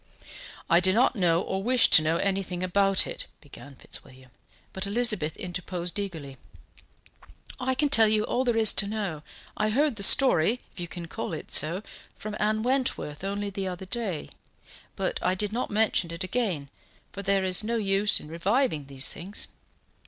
"I do not know, or wish to know, anything about it," began Fitzwilliam, but Elizabeth interposed eagerly: "I can tell you all there is to know. I heard the story, if you can call it so, from Anne Wentworth only the other day: but I did not mention it again, for there is no use in reviving these things.